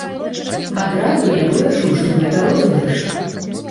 Адразу я вырашыў, што гэта розыгрыш.